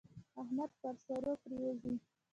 احمد پر سرو پرېوزي.